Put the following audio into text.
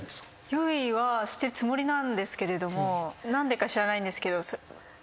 用意はしてるつもりなんですけれども何でか知らないんですけど。